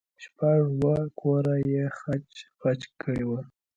شپږ اوه كوره يې خچ پچ كړي وو.